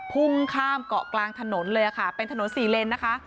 พุ่งข้ามเกาะกลางถนนเลยค่ะเป็นถนนสี่เลนนะคะ